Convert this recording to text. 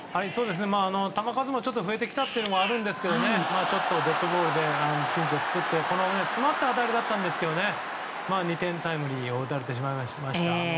球数もちょっと増えてきたというのもあるんですけどデッドボールでピンチを作って詰まった当たりだったんですけど２点タイムリー打たれてしまいました。